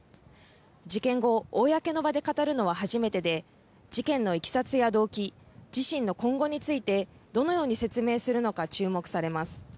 事件後、公の場で語るのは初めてで事件のいきさつや動機、自身の今後についてどのように説明するのか注目されます。